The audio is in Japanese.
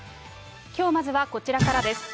きょうまずはこちらからです。